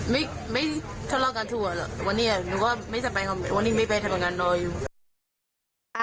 ไม่สลอกกันทั่วแล้ววันนี้หนูก็ไม่จะไปกบวันนี้ไม่ไปทำงานน่ะ